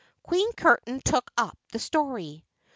Queen Curtain took up the story.